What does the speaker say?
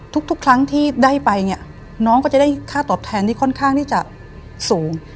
ทุกครั้งที่ได้ไปเนี่ยน้องก็จะได้ค่าตอบแทนที่ค่อนข้างที่จะสูง